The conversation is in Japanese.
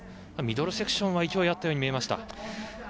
ミドルセクションは勢いがあったように見えました。